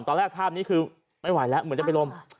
ภาพนี้คือไม่ไหวแล้วเหมือนจะไปลม